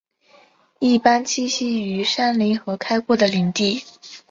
一般栖息于山林和开阔的林地。